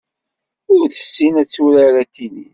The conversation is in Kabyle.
Ur tessin ad turar atennis.